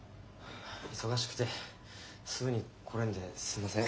忙しくてすぐに来れんですんません。